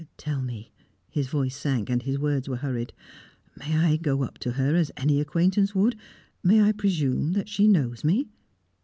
Tell me," his voice sank, and his words were hurried. "May I go up to her as any acquaintance would? May I presume that she knows me?"